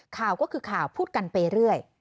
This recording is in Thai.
ข่าวก็คือข่าวพูดกันไปเรื่อย